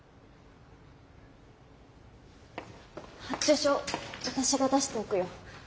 発注書私が出しておくよ。